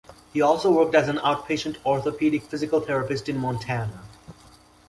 He also worked as an outpatient orthopedic physical therapist in Montana.